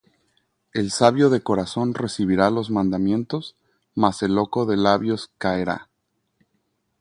El sabio de corazón recibirá los mandamientos: Mas el loco de labios caerá.